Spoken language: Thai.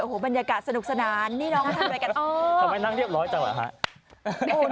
โอ้โฮบรรยากาศสนุกสนานนี่น้องมาทำอะไรกัน